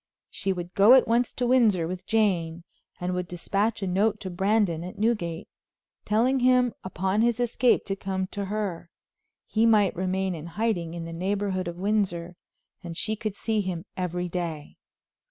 She would go at once to Windsor with Jane, and would dispatch a note to Brandon, at Newgate, telling him upon his escape to come to her. He might remain in hiding in the neighborhood of Windsor, and she could see him every day.